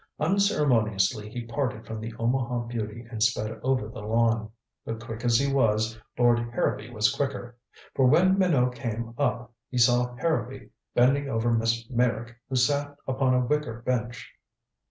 Unceremoniously he parted from the Omaha beauty and sped over the lawn. But quick as he was, Lord Harrowby was quicker. For when Minot came up, he saw Harrowby bending over Miss Meyrick, who sat upon a wicker bench.